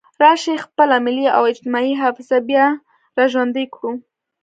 راشئ خپله ملي او اجتماعي حافظه بیا را ژوندۍ کړو.